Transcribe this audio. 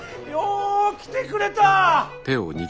よう来てくれた。